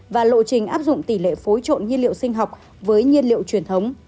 và lộ trình áp dụng tỷ lệ phối trộn nhiên liệu sinh học với nhiên liệu truyền thống